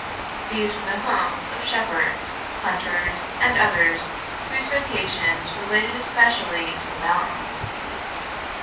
These were the homes of shepherds, hunters and others whose vocations related especially to the mountains.